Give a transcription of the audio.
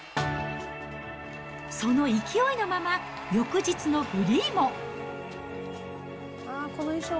その勢いのまま、翌日のフリーも。